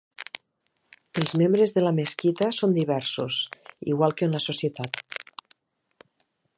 Els membres de la mesquita són diversos, igual que en la societat.